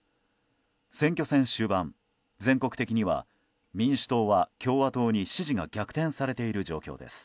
選挙戦終盤、全国的には民主党は共和党に支持が逆転されている状況です。